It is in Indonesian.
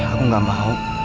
aku gak mau